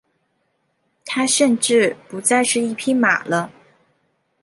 他甚至不再是一匹马了。